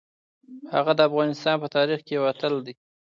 هغه د افغانستان په تاریخ کې یو اتل دی.